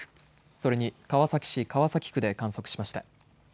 それに川崎市川崎区で観測しました。